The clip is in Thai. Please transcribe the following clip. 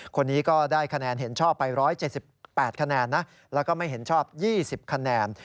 คนนี้ก็ได้คะแนนเห็นชอบไป๑๗๘คะแนนนะแล้วก็ไม่เห็นชอบ๒๐คะแนน